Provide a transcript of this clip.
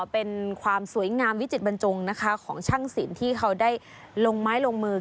เป็นความสวยงามวิจิตบรรจงนะคะของช่างศิลป์ที่เขาได้ลงไม้ลงมือ